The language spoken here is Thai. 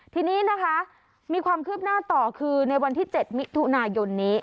ทีนี้นะคะมีความคืบหน้าต่อคือในวันที่๗มิถุนายนนี้